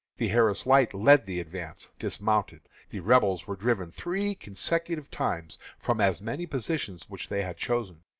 The Harris Light led the advance, dismounted. The Rebels were driven three consecutive times from as many positions which they had chosen.